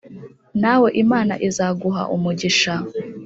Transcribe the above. Nawe Imana izaguha umugisha